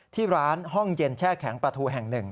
ที่ร้านห้องเย็นแช่แข็งปลาทูแห่งหนึ่ง